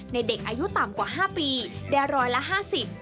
ในเด็กอายุต่ำกว่า๕ปีได้ร้อยละ๕๐